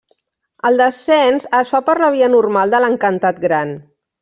El descens es fa per la via normal de l'Encantat Gran.